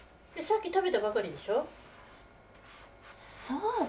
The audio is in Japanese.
さっき食べたばかりでしょう？